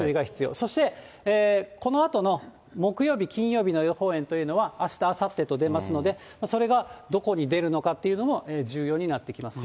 そして、このあとの木曜日、金曜日の予報円というのは、あした、あさってと出ますので、それがどこに出るのかというのも重要になってきますね。